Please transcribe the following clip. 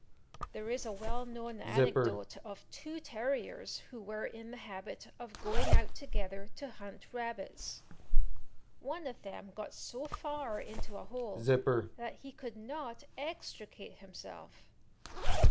There is a well known anecdote of two terriers who were in the habit of going out together to hunt rabbits. One of them got so far into a hole that he could not extricate himself.